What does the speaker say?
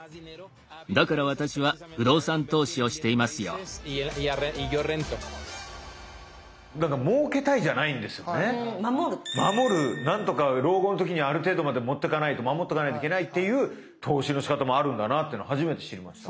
こちらはメキシコのご家族なんとか老後の時にある程度までもってかないと守っとかないといけないという投資のしかたもあるんだなっていうの初めて知りました。